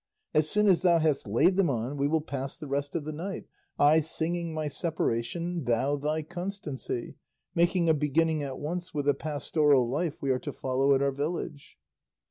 As soon as thou hast laid them on we will pass the rest of the night, I singing my separation, thou thy constancy, making a beginning at once with the pastoral life we are to follow at our village."